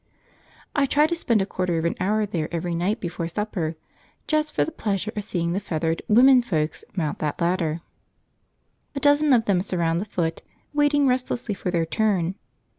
I try to spend a quarter of an hour there every night before supper, just for the pleasure of seeing the feathered "women folks" mount that ladder. A dozen of them surround the foot, waiting restlessly for their turn.